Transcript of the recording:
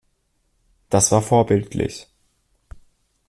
Das war vorbildlich.